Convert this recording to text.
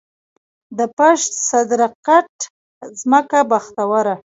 د پشد، صدرګټ ځمکه بختوره